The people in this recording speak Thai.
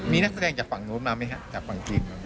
มีนักแสดงจากฝั่งโน้นมาไหมฮะจากฝั่งจีน